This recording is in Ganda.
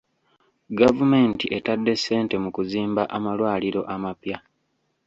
Gavumenti etadde sente mu kuzimba amalwaliro amapya.